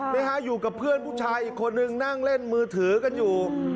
นี่ฮะอยู่กับเพื่อนผู้ชายอีกคนนึงนั่งเล่นมือถือกันอยู่